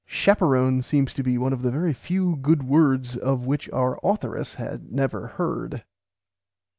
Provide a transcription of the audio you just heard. Chaperon seems to be one of the very few good words of which our authoress had never heard.